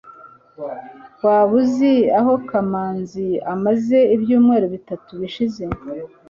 waba uzi aho kamanzi amaze ibyumweru bitatu bishize